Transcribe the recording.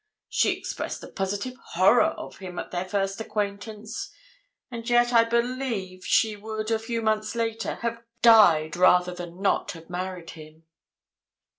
She expressed a positive horror of him at their first acquaintance; and yet, I believe, she would, a few months later, have died rather than not have married him.'